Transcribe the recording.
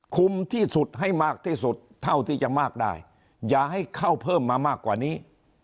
คุ้มที่สุดให้มากที่สุดเท่าที่จะมากได้อย่าให้เข้าเพิ่มมามากกว่านี้